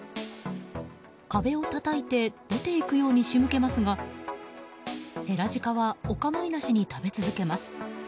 壁をたたいて出て行くように仕向けますがヘラジカはお構いなしに食べ続けます。